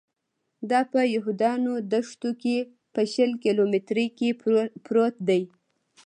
دا په یهودانو دښته کې په شل کیلومترۍ کې پروت دی.